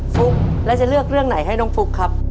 ฟุ๊กแล้วจะเลือกเรื่องไหนให้น้องฟลุ๊กครับ